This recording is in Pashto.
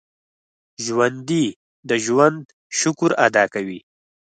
ژوندي د ژوند شکر ادا کوي